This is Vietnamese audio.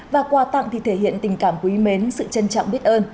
và quà tặng thì thể hiện tình cảm quý mến sự trân trọng biết ơn